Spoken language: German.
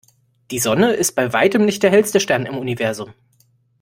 Die Sonne ist bei Weitem nicht der hellste Stern im Universum.